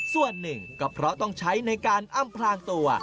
ส่วนหนึ่งก็เพราะต้องใช้ในการอำพลางตัว